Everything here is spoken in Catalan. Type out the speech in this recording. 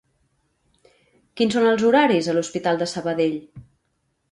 Quins són els horaris a l'hospital de Sabadell?